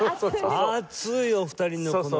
熱いお二人のこのね。